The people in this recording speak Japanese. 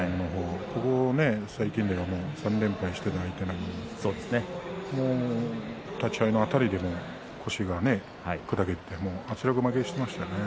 ここ最近では３連敗している相手なのに立ち合いのあたりで腰が砕けて圧力負けしていましたね。